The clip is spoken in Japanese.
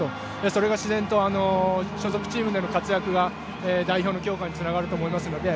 それが自然と、所属チームでの活躍が代表の強化につながると思いますので。